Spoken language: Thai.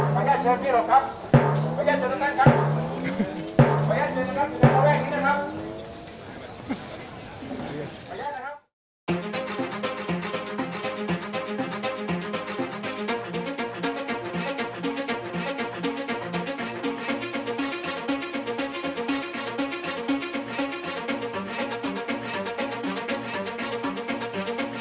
ไปแล้วนะครับ